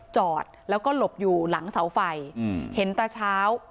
จอดแล้วก็หลบอยู่หลังเสาไฟอืมเห็นตาเช้า